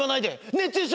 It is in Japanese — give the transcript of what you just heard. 熱中症！